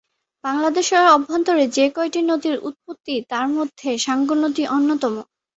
বাংলাদেশের অভ্যন্তরে যে কয়টি নদীর উৎপত্তি তার মধ্যে সাঙ্গু নদী অন্যতম।